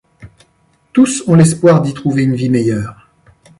Tous ont l’espoir d’y trouver une vie meilleure.